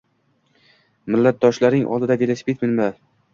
Millatdoshlaring oldida velosiped minma